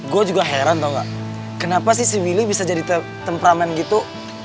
gue juga heran tau gak kenapa sih si willy bisa jadi temperamen gitu